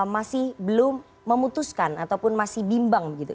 masih belum memutuskan ataupun masih bimbang begitu